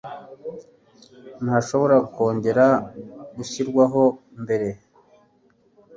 ntashobora kongera gushyirwaho mbere